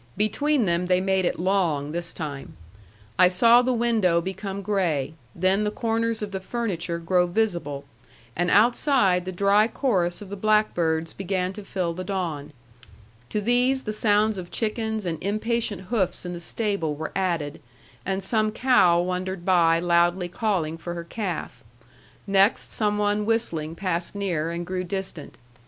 Between them they made it long this time. I saw the window become gray; then the corners of the furniture grow visible; and outside, the dry chorus of the blackbirds began to fill the dawn. To these the sounds of chickens and impatient hoofs in the stable were added, and some cow wandered by loudly calling for her calf. Next, some one whistling passed near and grew distant.